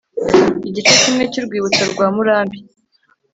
igice kimwe cy urwibutso rwa murambi